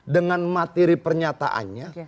dengan materi pernyataannya